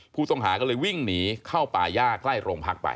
ผู้ต้องหาก็เลยวิ่งหนีเข้าป่าย่าใกล้โรงพักไป